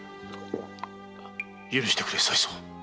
許してくれ才蔵。